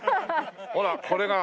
ほらこれが。